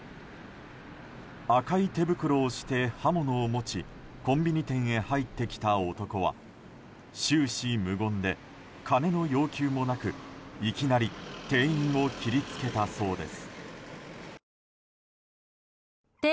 赤い手袋をして刃物を持ちコンビニ店へ入ってきた男は終始無言で金の要求もなくいきなり店員を切りつけたそうです。